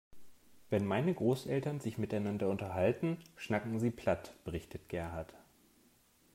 "Wenn meine Großeltern sich miteinander unterhalten, schnacken sie platt", berichtet Gerhard.